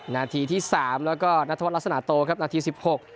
นาทีที่สามแล้วก็นัทโทษลักษณะโตครับนาทีสิบหก